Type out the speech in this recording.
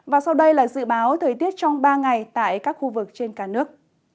và sau đây là dự báo thời tiết trong ba ngày tại các khu vực trên cả nước